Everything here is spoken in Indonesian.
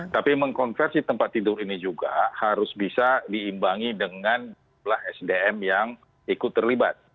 tapi mengkonversi tempat tidur ini juga harus bisa diimbangi dengan sdm yang ikut terlibat